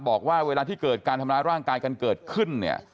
บอกว่าเวลาที่เกิดการทำร้ายร่างกายกันเกิดขึ้นเนี่ย